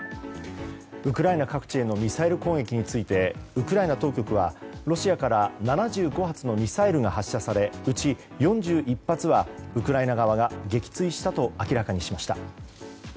ウクライナ各地へのミサイル攻撃についてウクライナ当局はロシアから７５発のミサイルが発射され内４１発はウクライナ側が撃墜したと明らかにしました。